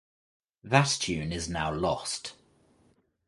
That tune is now lost.